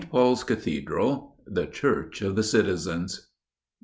PAUL'S CATHEDRAL 'The Church of the Citizens.